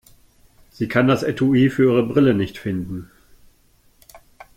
Sie kann das Etui für ihre Brille nicht finden.